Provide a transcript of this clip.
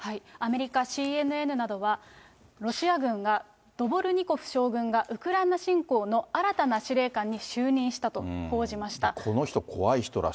アメリカ、ＣＮＮなどは、ロシア軍がドボルニコフ将軍が、ウクライナ侵攻の新たな司令官に就任したと報じました。